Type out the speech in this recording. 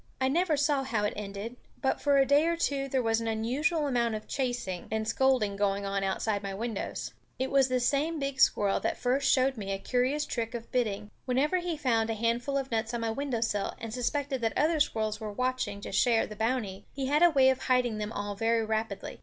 I never saw how it ended; but for a day or two there was an unusual amount of chasing and scolding going on outside my windows. It was this same big squirrel that first showed me a curious trick of biding. Whenever he found a handful of nuts on my windowsill and suspected that other squirrels were watching to share the bounty, he had a way of hiding them all very rapidly.